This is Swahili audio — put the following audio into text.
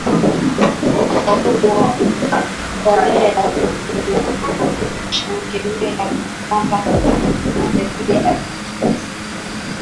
udongo na mbolea vichanganywe kabla kupanda viazi lishe